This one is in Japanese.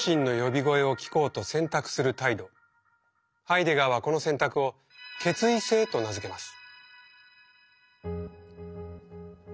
ハイデガーはこの選択を「決意性」と名付けます。